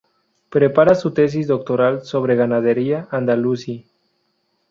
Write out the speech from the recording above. Prepara su tesis doctoral sobre ganadería andalusí.